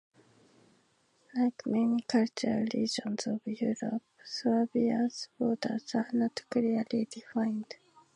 Like many cultural regions of Europe, Swabia's borders are not clearly defined.